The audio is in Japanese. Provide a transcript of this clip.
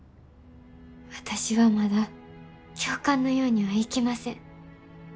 私はまだ教官のようにはいきません。